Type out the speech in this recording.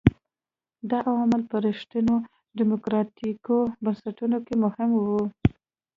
دا عوامل په رښتینو ډیموکراټیکو بنسټونو کې مهم وو.